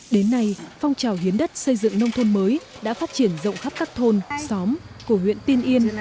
đến nay phong trào hiến đất xây dựng nông thôn mới đã phát triển rộng khắp các thôn xóm của huyện tiên yên